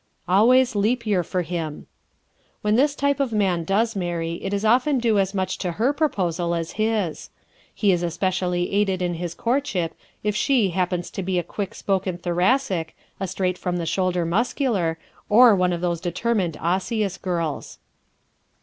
Always Leap Year for Him. ¶ When this type of man does marry it is often due as much to her proposal as his. He is especially aided in his courtship if "she" happens to be a quick spoken Thoracic, a straight from the shoulder Muscular, or one of those determined Osseous girls.